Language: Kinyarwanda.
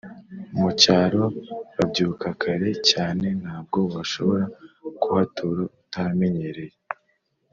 mucyaro babyuka kare cyane ntabwo washobora kuhatura utahamenyereye